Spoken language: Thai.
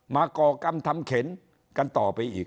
ก่อกรรมทำเข็นกันต่อไปอีก